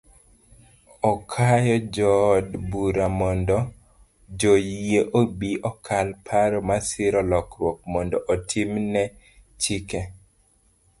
Okayo jood bura mondo joyie obi okal paro masiro lokruok mondo otim ne chike